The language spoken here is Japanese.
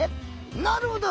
「なるほど！